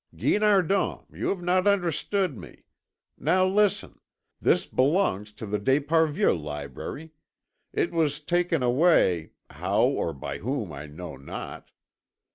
"Guinardon, you have not understood me. Now listen. This book belongs to the d'Esparvieu library. It was taken away, how or by whom I know not.